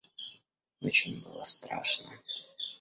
Очень было страшно.